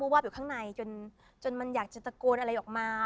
วาบอยู่ข้างในจนมันอยากจะตะโกนอะไรออกมา